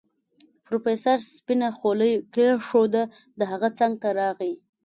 پروفيسر سپينه خولۍ کېښوده د هغه څنګ ته راغی.